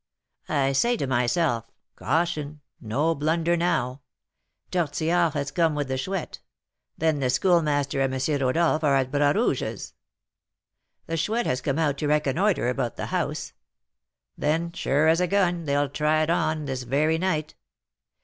I say to myself, 'Caution! no blunder now! Tortillard has come with the Chouette; then the Schoolmaster and M. Rodolph are at Bras Rouge's. The Chouette has come out to reconnoitre about the house; then, sure as a gun, they'll "try it on" this very night!